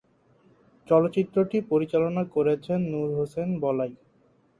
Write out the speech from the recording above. চলচ্চিত্রটি পরিচালনা করেছেন নুর হোসেন বলাই।